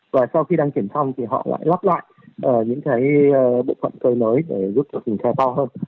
và sau khi đăng kiểm xong thì họ lại lắp lại những bộ phận cơ lối để giúp cho chiếc xe to hơn